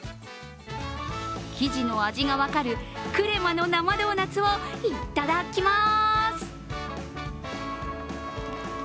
生地の味が分かるクレマの生ドーナツをいただきます。